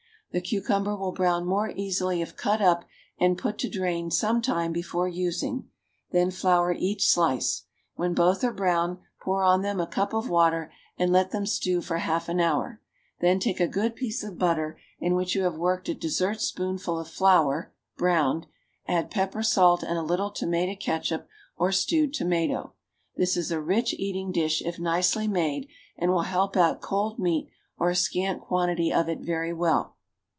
The cucumber will brown more easily if cut up and put to drain some time before using; then flour each slice. When both are brown, pour on them a cup of water, and let them stew for half an hour; then take a good piece of butter in which you have worked a dessert spoonful of flour (browned); add pepper, salt, and a little tomato catsup or stewed tomato. This is a rich eating dish if nicely made, and will help out cold meat or a scant quantity of it very well.